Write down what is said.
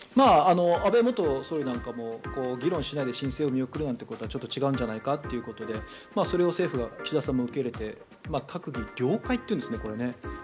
安倍元総理なんかも議論しないで申請を見送るなんてことはちょっと違うんじゃないかということでそれを政府が岸田さんも受け入れて閣議了解というんですね。